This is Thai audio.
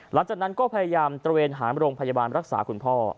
หลังจากนั้นก็พยายามตระเวนหาโรงพยาบาลรักษาคุณพ่อ